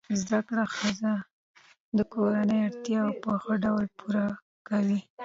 زده کړه ښځه د کورنۍ اړتیاوې په ښه ډول پوره کوي.